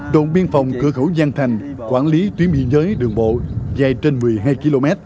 đồn biên phòng cửa khẩu giang thành quản lý tuyến biên giới đường bộ dài trên một mươi hai km